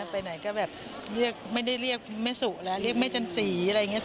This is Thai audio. ไปไหนก็แบบเรียกไม่ได้เรียกแม่สุแล้วเรียกแม่จันสีอะไรอย่างนี้